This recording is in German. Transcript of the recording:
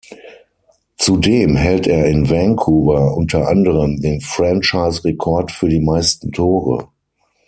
Zudem hält er in Vancouver unter anderem den Franchise-Rekord für die meisten Tore.